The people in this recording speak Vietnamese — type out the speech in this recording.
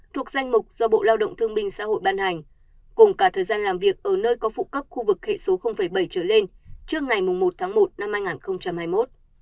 thuộc danh mục do bộ lao động thương minh xã hội ban hành cùng cả thời gian làm việc ở nơi có phụ cấp khu vực hệ số bảy trở lên trước ngày một tháng một năm hai nghìn hai mươi một